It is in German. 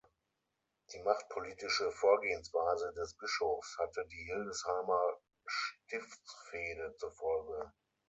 Die machtpolitische Vorgehensweise des Bischofs hatte die Hildesheimer Stiftsfehde zur Folge.